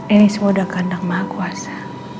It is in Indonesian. ini semudah kandang maha kuasa